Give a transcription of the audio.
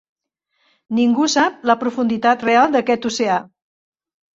Ningú sap la profunditat real d'aquest oceà.